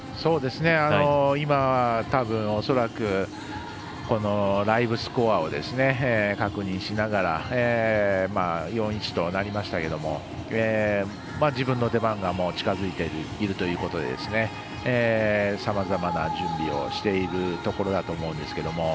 今はたぶん、恐らくライブスコアを確認しながら４−１となりましたけども自分の出番がもう近づいているということでさまざまな準備をしているところだと思うんですけど。